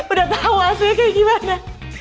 udah tau aslinya kayak gimana